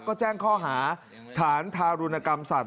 ก็แจ้งข้อหาฐานทารุณกรรมสัตว